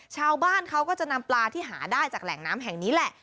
ชาวบ้านเขาก็จะนำปลาที่หาได้จากแหล่งน้ำแห่งนี้แหละ